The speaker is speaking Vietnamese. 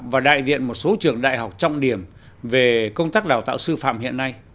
và đại diện một số trường đại học trọng điểm về công tác đào tạo sư phạm hiện nay